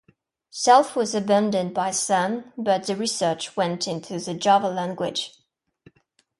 Self was abandoned by Sun, but the research went into the Java language.